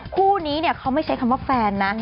คู่นี้เขาไม่ใช้คำว่าแฟนนะ